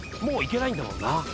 もういけないんだもんな。